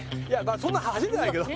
そんな走れないけど。